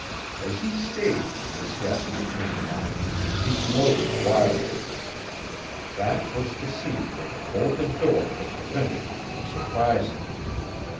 As he staged this ghastly pantomime, he gloated wildly. That was the scene which a bolted door had prevented him from surprising!